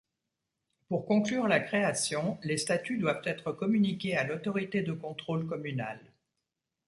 Pour conclure la création, les statuts doivent être communiqués à l'autorité de contrôle communal.